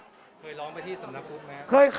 เคยร้องไปที่สำนักพุทธไหมครับ